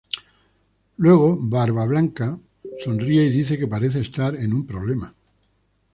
Luego Barbablanca sonríe y dice que parece estar en un problema.